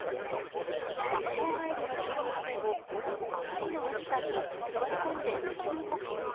学校帰りの小学生もあまりの暑さに座り込んで水分補給。